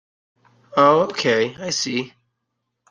Oh okay, I see.